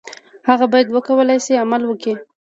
هغه باید وکولای شي عمل وکړي.